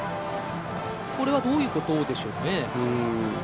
これはどういうことでしょうね。